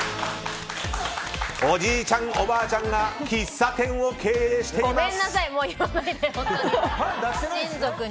おじいちゃん、おばあちゃんが喫茶店を経営しています！